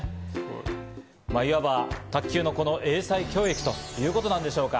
いわば卓球の英才教育ということなんでしょうか。